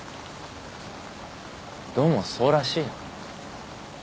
どうもそうらしいな。